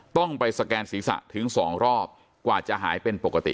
ต้องไปสแกนศีรษะถึง๒รอบกว่าจะหายเป็นปกติ